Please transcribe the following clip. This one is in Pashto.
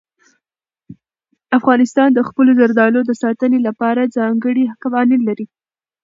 افغانستان د خپلو زردالو د ساتنې لپاره ځانګړي قوانین لري.